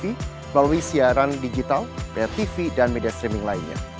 melalui siaran digital tv dan media streaming lainnya